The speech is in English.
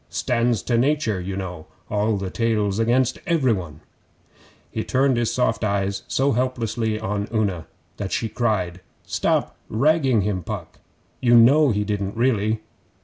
Stands to nature you know all the tales against every one.' He turned his soft eyes so helplessly on Una that she cried, 'Stop ragging him, Puck! You know he didn't really.